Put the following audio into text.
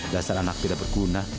dasar anak tidak berguna